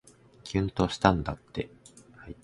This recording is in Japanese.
きゅんとしたんだって